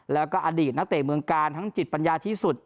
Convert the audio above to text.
แล้วก็อดีตนักเตะเมืองกาลทั้งจิตปัญญาที่สุด